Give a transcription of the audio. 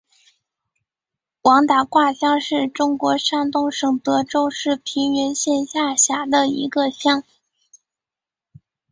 王打卦乡是中国山东省德州市平原县下辖的一个乡。